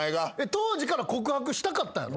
当時から告白したかったんやろ？